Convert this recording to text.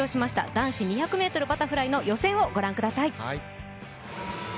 男子２００ｍバタフライの予選をご覧ください。